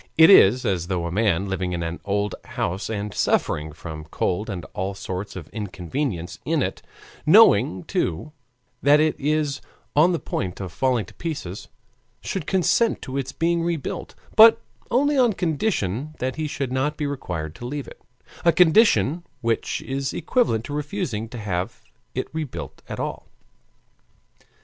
It is as though a man, living in an old house and suffering from cold and all sorts of inconvenience in it, knowing, too, that it is on the point of falling to pieces, should consent to its being rebuilt, but only on the condition that he should not be required to leave it: a condition which is equivalent to refusing to have it rebuilt at all.